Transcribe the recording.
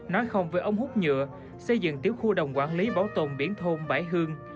nói không với ống hút nhựa xây dựng tiểu khu đồng quản lý bảo tồn biển thôn bảy hương